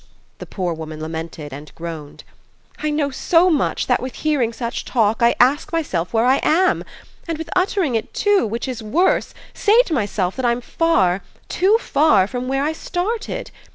the poor woman lamented and groaned. "I know so much that with hearing such talk I ask myself where I am; and with uttering it too, which is worse, say to myself that I'm far, too far, from where I started!